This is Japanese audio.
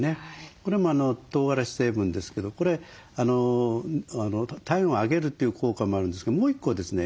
これもトウガラシ成分ですけどこれ体温を上げるという効果もあるんですけどもう１個ですね